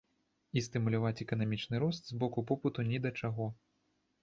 І стымуляваць эканамічны рост з боку попыту ні да чаго.